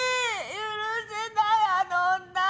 許せないあの女！